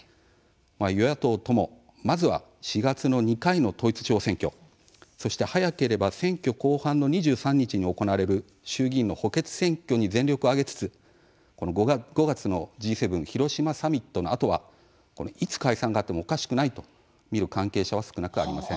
与野党ともまずは４月の２回の統一地方選挙そして早ければ選挙後半の２３日に行われる衆議院の補欠選挙に全力を挙げつつ５月のＧ７広島サミットのあとはいつ解散があってもおかしくないと見る関係者は少なくありません。